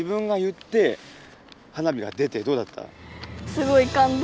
すごい感動。